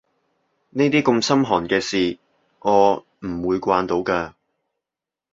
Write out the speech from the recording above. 呢啲咁心寒嘅事我唔會慣到㗎